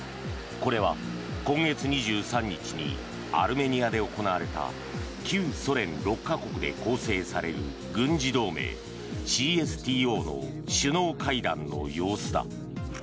これは今月２３日にアルメニアで行われた旧ソ連６か国で構成される軍事同盟ＣＳＴＯの首脳会談の様子だ。